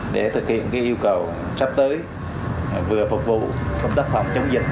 để thực hiện yêu cầu sắp tới vừa phục vụ công tác phòng chống dịch